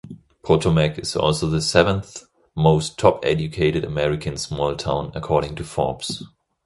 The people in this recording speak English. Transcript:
Potomac is also the seventh most top-educated American small town according to Forbes.